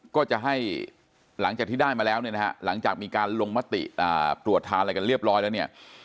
ก็จะให้หลังจากที่ได้มาแล้วเนี่ยนะฮะหลังจากมีการลงมติตรวจทานอะไรกันเรียบร้อยแล้วเนี่ย